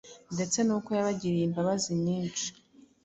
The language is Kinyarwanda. ndetse n’uko yabagiriye imbabazi nyinshi.